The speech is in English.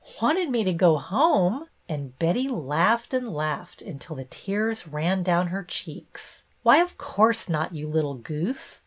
"Wanted me to go home!" and Betty laughed and laughed until the tears ran down her cheeks. " Why, of course not, you little goose.